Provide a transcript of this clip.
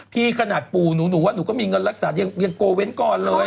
ขนาดปู่หนูว่าหนูก็มีเงินรักษายังโกเว้นก่อนเลย